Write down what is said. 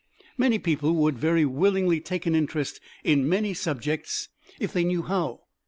Many people would very willingly take an interest in many subjects if they knew how.